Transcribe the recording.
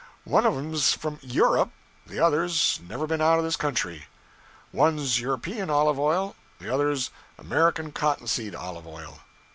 One of 'm's from Europe, the other's never been out of this country. One's European olive oil, the other's American cotton seed olive oil.